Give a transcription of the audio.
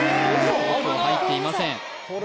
東京は入っていません